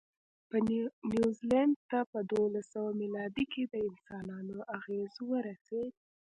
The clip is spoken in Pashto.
نیوزیلند ته په دوولسسوه مېلادي کې د انسانانو اغېز ورسېد.